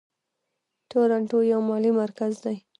تورنټو یو مالي مرکز دی.